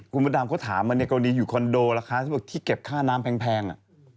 คุณบรรดาบก็ถามว่าเรียกวานี้อยู่คอนโดล่ะคือที่เก็บค่าน้ำแพง